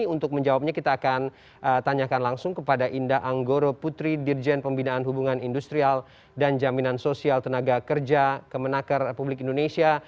untuk menjawabnya kita akan tanyakan langsung kepada indah anggoro putri dirjen pembinaan hubungan industrial dan jaminan sosial tenaga kerja kemenaker republik indonesia